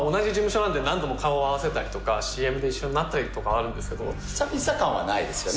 なんで何度も顔を合わせたりとかＣＭで一緒になったりとかはあるんですけど久々感はないですよね